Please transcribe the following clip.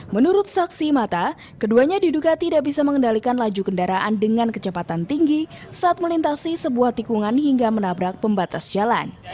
menurut saksi mata keduanya diduga tidak bisa mengendalikan laju kendaraan dengan kecepatan tinggi saat melintasi sebuah tikungan hingga menabrak pembatas jalan